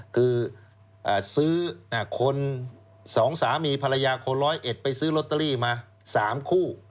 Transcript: คือซื้อคน๒สามีภรรยาคนร้อยเอ็ดไปซื้อลอตเตอรี่มา๓คู่